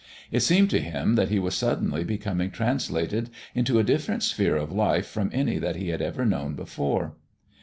It seemed to him that he was suddenly becoming translated into a different sphere of life from any that he had ever known before.